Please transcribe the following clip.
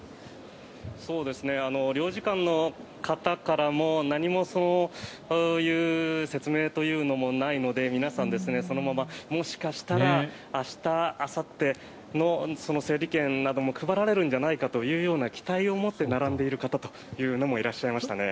領事館の方からも何もそういう説明というのもないので皆さんそのままもしかしたら明日あさっての整理券なども配られるんじゃないかという期待を持って並んでいる方というのもいらっしゃいましたね。